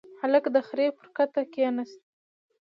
هلک د خرې پر کته کېناست.